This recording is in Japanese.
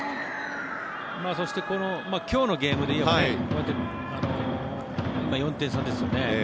そして、今日のゲームでいえば今、４点差ですよね。